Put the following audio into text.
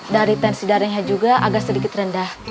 dari tensi darahnya juga agak sedikit rendah